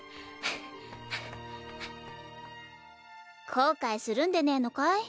後悔するんでねえのかい？